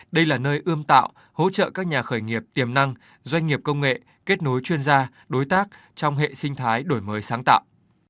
đây là nơi ươm tạo hỗ trợ các nhà khởi nghiệp tiềm năng doanh nghiệp công nghệ kết nối chuyên gia đối tác trong hệ sinh thái đổi mới sáng tạo